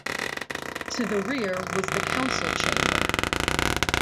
To the rear was the council chamber.